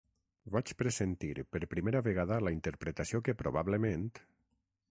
Vaig pressentir per primera vegada la interpretació que probablement...